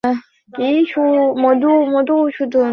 ভ্রূকুঞ্চিত করে মধুসূদন তার মুখের দিকে চাইলে।